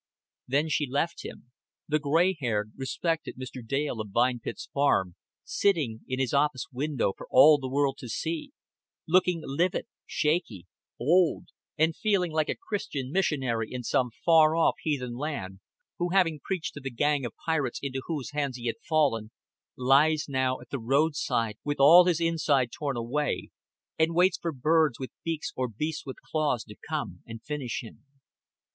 Then she left him the gray haired respected Mr. Dale of Vine Pits Farm, sitting in his office window for all the world to see; looking livid, shaky, old; and feeling like a Christian missionary in some far off heathen land, who, having preached to the gang of pirates into whose hands he had fallen, lies now at the roadside with all his inside torn away, and waits for birds with beaks or beasts with claws to come and finish him.